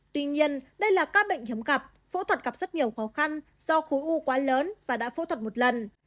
tuy nhiên đây là các bệnh hiếm gặp phẫu thuật gặp rất nhiều khó khăn do khối u quá lớn và đã phẫu thuật một lần